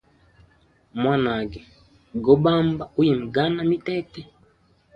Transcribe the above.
Mwanage go bamba uyimgana mitete.